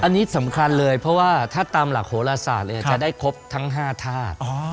อันนี้สำคัญเลยเพราะว่าถ้าตามหลักโหลศาสตร์จะได้ครบทั้ง๕ธาตุ